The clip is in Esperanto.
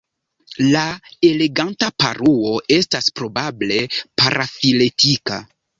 La Eleganta paruo estas probable parafiletika.